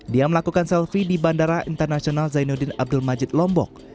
dia melakukan selfie di bandara internasional zainuddin abdul majid lombok